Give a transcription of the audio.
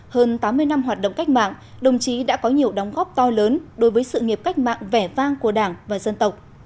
hơn tám mươi năm hoạt động cách mạng đồng chí đã có nhiều đóng góp to lớn đối với sự nghiệp cách mạng vẻ vang của đảng và dân tộc